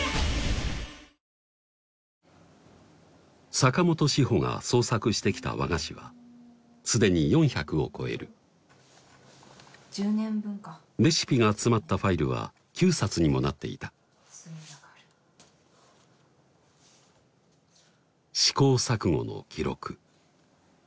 坂本紫穂が創作してきた和菓子は既に４００を超える１０年分かレシピが詰まったファイルは９冊にもなっていた試行錯誤の記録